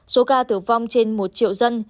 số ca tử vong trên một triệu dân